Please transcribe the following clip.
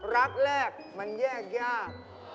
รักแรกมันแยกยาก